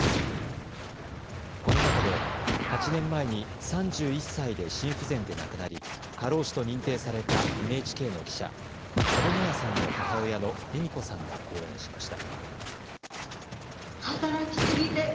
この中で、８年前に３１歳で心不全で亡くなり過労死と認定されたＮＨＫの記者、佐戸未和さんの母親の恵美子さんが講演しました。